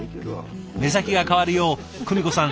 目先が変わるよう久美子さん